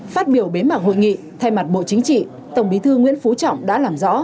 phát biểu bế mạc hội nghị thay mặt bộ chính trị tổng bí thư nguyễn phú trọng đã làm rõ